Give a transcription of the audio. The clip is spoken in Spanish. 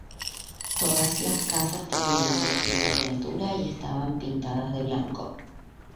Todas las casas tenían tres pisos de altura y estaban pintadas de blanco.